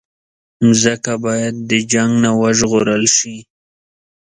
مځکه باید د جنګ نه وژغورل شي.